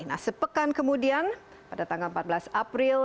nah sepekan kemudian pada tanggal empat belas april